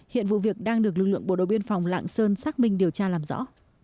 hiện vụ việc đang được lực lượng bộ đội biên phòng lạng sơn xác minh điều tra làm rõ